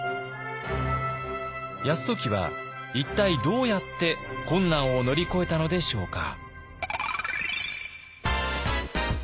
泰時は一体どうやって困難を乗り越えたのでしょうか。